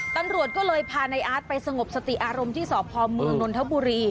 ตำรวจก็เลยพาในอาร์ตไปสงบสติอารมณ์ที่สพเมืองนนทบุรี